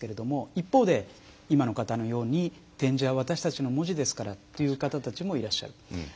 一方で今の方のように点字は私たちの文字ですからという方たちもいらっしゃる。